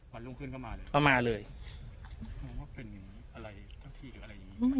รุ่งขึ้นก็มาเลยก็มาเลยมองว่าเป็นอะไรสักทีหรืออะไรอย่างนี้